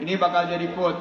ini bakal jadi quote